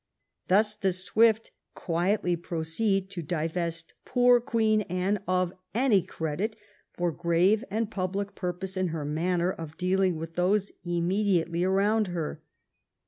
Thus does Swift quietly proceed to divest poor Queen Anne of any credit for grave and public purpose in her manner of dealing with those immediately around her.